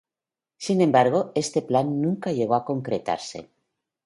Sin embargo, este plan nunca llegó a concretarse.